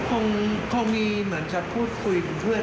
คงมีเหมือนกับพูดคุยเป็นเพื่อน